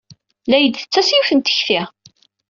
La iyi-d-tettas yiwet n tekti.